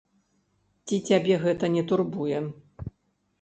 Ці цябе гэта не турбуе?